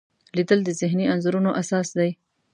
لیدل د ذهني انځورونو اساس دی